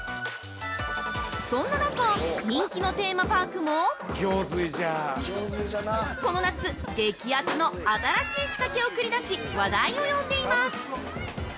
そんな中人気のテーマパークもこの夏、激アツの新しい仕掛けを繰り出し話題を呼んでます！